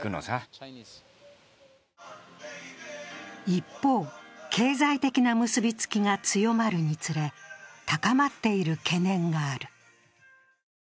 一方、経済的な結びつきが強まるにつれ高まっている懸念がある。